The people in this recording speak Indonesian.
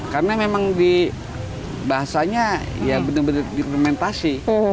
karena memang di bahasanya ya benar benar implementasi